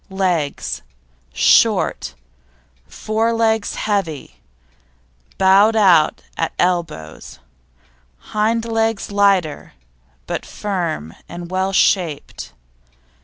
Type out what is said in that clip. LEGS Short; fore legs heavy, bowed out at elbows; hind legs lighter, but firm and well shaped.